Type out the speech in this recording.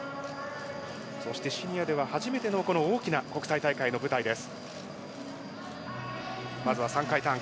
そして、シニアでは初めての大きな国際大会の舞台です。